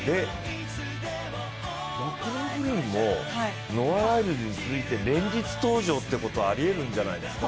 マクローフリンも、ノア・ライルズに続いて連日登場ってことはありえるんじゃないですか？